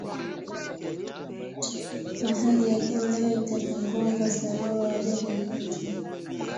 Mahali ya kuolewa itapungua kwa sabau hawajakeketwa